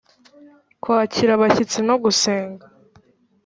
Kwakira abashyitsi no gusenga